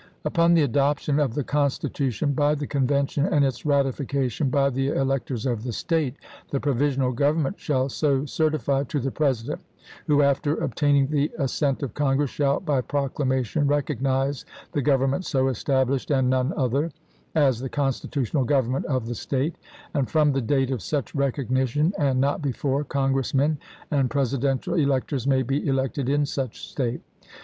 Upon the adoption of the constitution by the convention, and its ratification by the elec tors of the State, the provisional government shall so certify to the President, who, after obtaining the assent of Congress, shall by proclamation rec ognize the government so established, and none other, as the constitutional government of the State ; and from the date of such recognition, and not before, Congressmen and Presidential electors may be elected in such State.